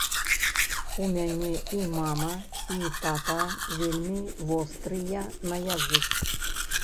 У мяне і мама, і тата вельмі вострыя на язык.